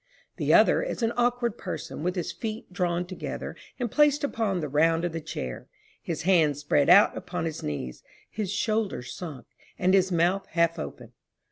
The other is an awkward person, with his feet drawn together and placed upon the round of the chair, his hands spread out upon his knees, his shoulders sunk, and his mouth half open.